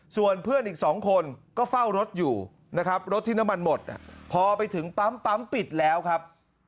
ส่วนเพื่อนอีก๒คนก็เฝ้ารถอยู่นะครับรถที่น้ำมันหมดพอไปถึงปั๊มปิดแล้วครับ